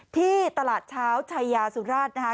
ที่ตลาดเช้าชายาสุราชนะคะ